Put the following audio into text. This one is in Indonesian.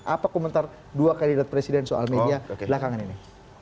apa komentar dua kandidat presiden soal media belakangan ini